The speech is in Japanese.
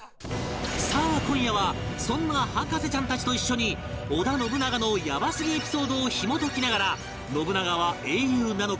さあ今夜はそんな博士ちゃんたちと一緒に織田信長のやばすぎエピソードをひも解きながら信長は英雄なのか？